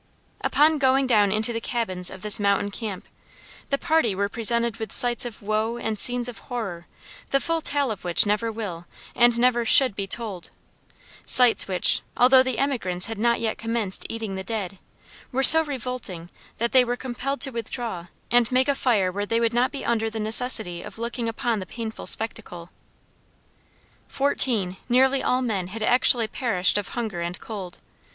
Upon going down into the cabins of this mountain camp, the party were presented with sights of woe and scenes of horror, the full tale of which never will and never should be told; sights which, although the emigrants had not yet commenced eating the dead, were so revolting that they were compelled to withdraw and make a fire where they would not be under the necessity of looking upon the painful spectacle. Fourteen, nearly all men, had actually perished of hunger and cold.